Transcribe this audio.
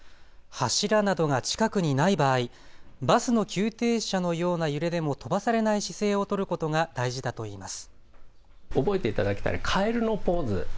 柱などが近くにない場合、バスの急停車のような揺れでも飛ばされない姿勢を取ることが大事だといいます。